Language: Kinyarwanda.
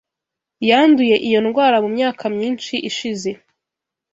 Yanduye iyo ndwara mu myaka myinshi ishize.